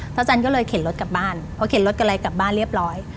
จันก็เลยเข็นรถกลับบ้านเพราะเข็นรถกะไรกลับบ้านเรียบร้อย